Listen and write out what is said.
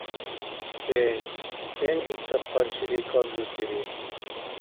Сен? Сен илцад къаршили калзусири?